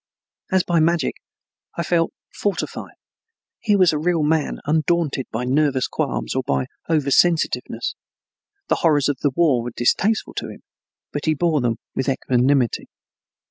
As by magic I felt fortified. Here was a real man undaunted by nervous qualms or by over sensitiveness. The horrors of the war were distasteful to him, but he bore them with equanimity.